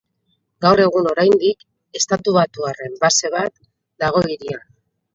Gaur egun oraindik estatubatuarren base bat dago hirian.